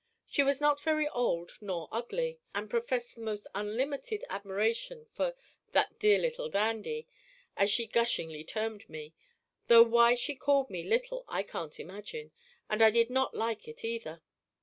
She was not very old nor ugly, and professed the most unlimited admiration for "that dear little Dandy," as she gushingly termed me, though why she called me "little" I can't imagine, and I did not like it either.